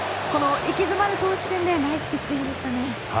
息詰まる投手戦でナイスピッチングでしたね。